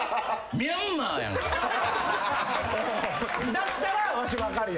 だったらわし分かるよ。